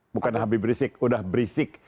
bukan habis berisik udah berisik